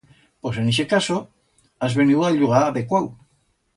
Pos en ixe caso has veniu a'l llugar adecuau.